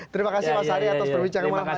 terima kasih mas ari atas perbincangan